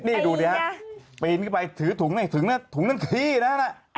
นี่ดูดิฮะปลิ้งเข้าไปถือถุงถุงนั่นที่นะฮะ